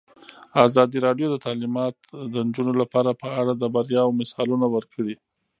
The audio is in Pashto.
ازادي راډیو د تعلیمات د نجونو لپاره په اړه د بریاوو مثالونه ورکړي.